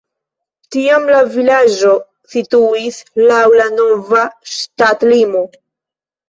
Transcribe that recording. Tiam la vilaĝo situis laŭ la nova ŝtatlimo.